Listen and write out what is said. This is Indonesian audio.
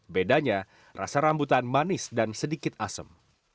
bedanya rasa rambutan manis dan sedikit asem